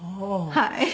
はい。